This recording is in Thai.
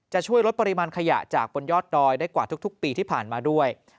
ช่วยลดปริมาณขยะจากบนยอดดอยได้กว่าทุกปีที่ผ่านมาด้วย